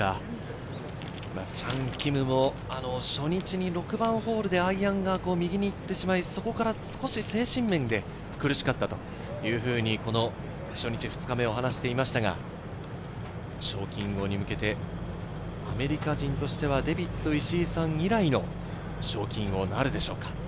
チャン・キムも初日に６番ホールでアイアンが右に行ってしまい、そこから少し精神面で苦しかったというふうに初日、２日目を話していましたが、賞金王に向けて、アメリカ人としてはデビッド・イシイさん以来の賞金王、なるでしょうか。